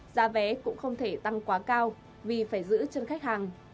giá vé cũng không thể tăng quá cao vì phải giữ chân khách hàng